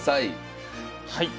はい。